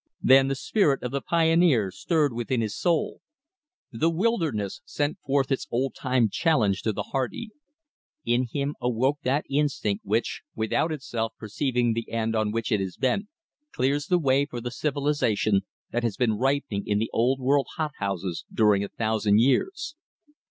Then the spirit of the pioneer stirred within his soul. The wilderness sent forth its old time challenge to the hardy. In him awoke that instinct which, without itself perceiving the end on which it is bent, clears the way for the civilization that has been ripening in old world hot houses during a thousand years.